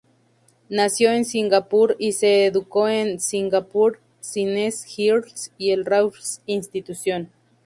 Nació en Singapur y se educó en Singapore Chinese Girls' y el Raffles Institution.